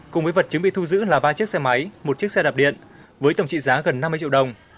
cùng với vật chứng bị thu giữ là ba chiếc xe máy một chiếc xe đạp điện với tổng trị giá gần năm mươi triệu đồng